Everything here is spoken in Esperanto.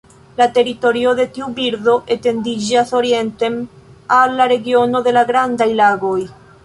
La teritorio de tiu birdo etendiĝis orienten al la regiono de la Grandaj Lagoj.